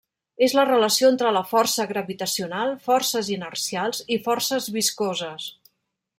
És la relació entre la força gravitacional, forces inercials i forces viscoses.